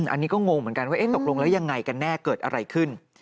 อันนี้ก็งงเหมือนกันว่าตกลงแล้วยังไงกันแน่เกิดอะไรขึ้น